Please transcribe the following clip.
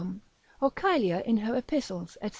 or Caelia in her epistles, &c.